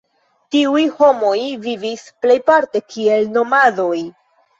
Tiuj homoj vivis plejparte kiel nomadoj.